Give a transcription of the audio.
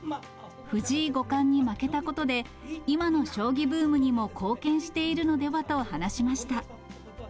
藤井五冠に負けたことで、今の将棋ブームにも貢献しているのではと話しました。